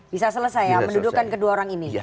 bisa selesai ya mendudukan kedua orang ini